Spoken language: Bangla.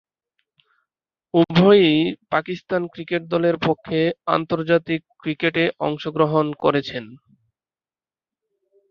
উভয়েই পাকিস্তান ক্রিকেট দলের পক্ষে আন্তর্জাতিক ক্রিকেটে অংশগ্রহণ করেছেন।